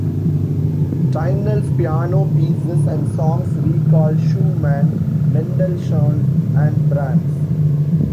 Tinel's piano pieces and songs recall Schumann, Mendelssohn and Brahms.